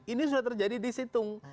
ini sudah terjadi di situng